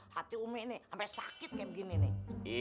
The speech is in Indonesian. hati umi nih sampe sakit kayak begini nih